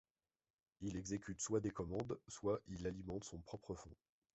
Il exécute soit des commandes, soit il alimente son propre fonds.